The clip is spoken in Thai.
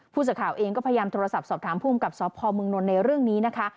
ผู้สื่อข่าวเองก็พยายามโทรศัพท์สอบถามภูมิกับสพเมืองนนท์ในเรื่องนี้นะคะ